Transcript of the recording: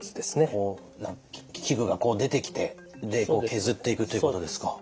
器具がこう出てきて削っていくということですか。